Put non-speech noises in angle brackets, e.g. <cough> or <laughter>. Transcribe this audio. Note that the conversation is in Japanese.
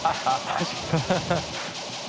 確かに <laughs>